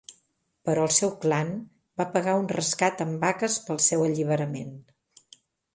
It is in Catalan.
Però el seu clan va pagar un rescat amb vaques pel seu alliberament.